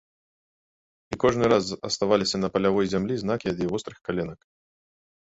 І кожны раз аставаліся на палявой зямлі знакі ад яе вострых каленак.